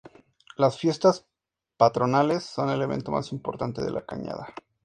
Las fiestas patronales son el evento más importante de la Cañada.